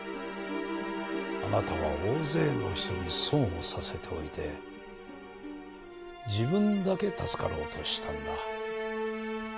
あなたは大勢の人に損をさせておいて自分だけ助かろうとしたんだ。